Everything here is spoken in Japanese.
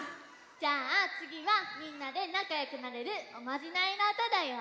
じゃあつぎはみんなでなかよくなれるおまじないのうただよ！